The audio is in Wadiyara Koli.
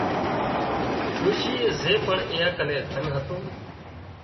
ڏوشيئي زي پڻ اين ڪنين ڌنَ هتون